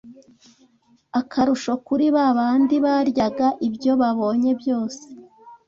akarusho kuri ba bandi baryaga ibyo babonye byose